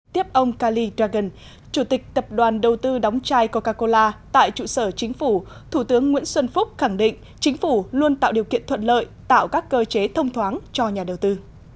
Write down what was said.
tiếp ông kali dragon chủ tịch tập đoàn đầu tư đóng chai coca cola tại trụ sở chính phủ thủ tướng nguyễn xuân phúc khẳng định chính phủ luôn tạo điều kiện thuận lợi tạo các cơ chế thông thoáng cho nhà đầu tư